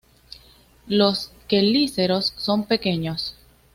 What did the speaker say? Los quelíceros son pequeños.